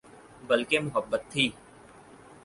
بلکہ محبت تھی